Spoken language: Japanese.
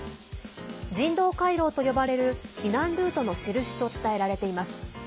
人道回廊と呼ばれる避難ルートの印と伝えられています。